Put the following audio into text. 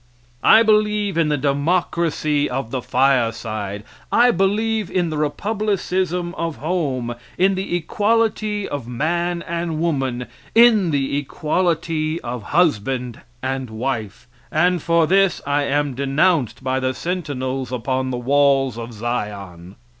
I believe in the democracy of the fireside, I believe in the republicism of home, in the equality of man and woman, in the equality of husband and wife, and for this I am denounced by the sentinels upon the walls of Zion.